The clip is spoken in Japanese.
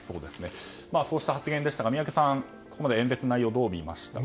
そうした発言でしたが宮家さんここまで演説の内容どう見ましたか？